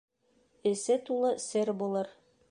Эсе тулы сер булыр.